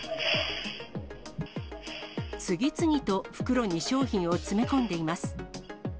次々と袋に商品を詰め込んでいます。